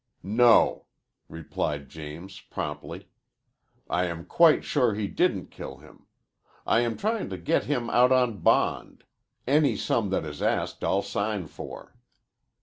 "No," replied James promptly. "I am quite sure he didn't kill him. I am trying to get him out on bond. Any sum that is asked I'll sign for."